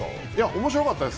面白かったです。